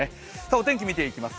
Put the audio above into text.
お天気見ていきます